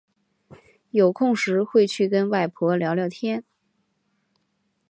有空时会去跟外婆聊聊天